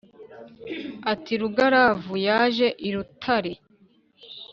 Ati : Rugaravu yaje i Rutare